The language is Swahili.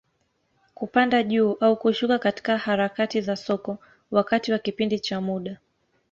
Kupanda juu au kushuka katika harakati za soko, wakati wa kipindi cha muda.